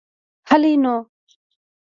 هلئ نو.